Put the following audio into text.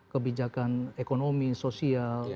kebijakan ekonomi sosial